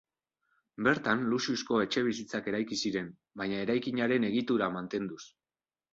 Bertan luxuzko etxebizitzak eraiki ziren, baina eraikinaren egitura mantenduz.